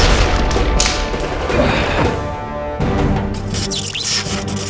di mana temanmu